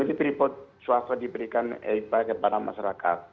itu pripot swasta diberikan ibah kepada masyarakat